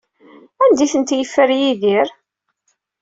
Anda ay ten-yeffer Yidir?